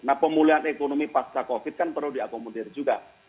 nah pemulihan ekonomi pasca covid kan perlu diakomodir juga